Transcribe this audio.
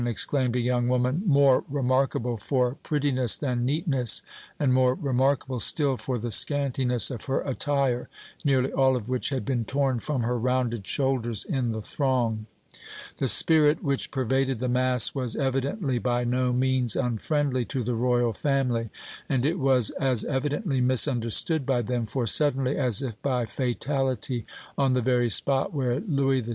exclaimed a young woman more remarkable for prettiness than neatness, and more remarkable still for the scantiness of her attire, nearly all of which had been torn from her rounded shoulders in the throng. The spirit which pervaded the mass was, evidently, by no means unfriendly to the Royal family, and it was as evidently misunderstood by them, for, suddenly, as if by fatality, on the very spot where Louis XVI.